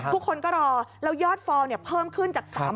ทุกคนก็รอแล้วยอดฟองเพิ่มขึ้นจาก๓๐๐